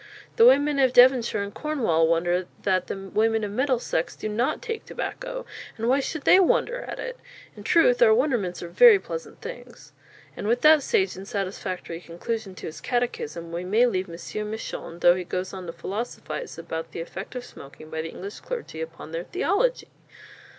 The Women of Devonshire and Cornwall wonder that the Women of Middlesex do not take Tabacco: And why should they wonder at it? In truth, our Wonderments are very pleasant Things!" And with that sage and satisfactory conclusion to his catechism we may leave M. Misson, though he goes on to philosophize about the effect of smoking by the English clergy upon their theology!